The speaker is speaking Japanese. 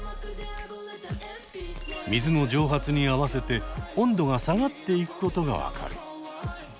水の蒸発に合わせて温度が下がっていくことが分かる。